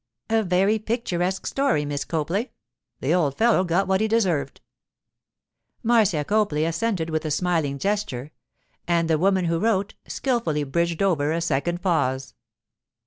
'A very picturesque story, Miss Copley. The old fellow got what he deserved.' Marcia Copley assented with a smiling gesture, and the woman who wrote skilfully bridged over a second pause.